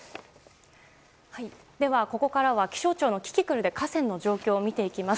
ではここからは気象庁のキキクルで河川の状況を見ていきます。